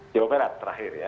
jawa merat terakhir ya